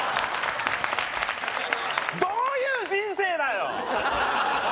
どういう人生だよ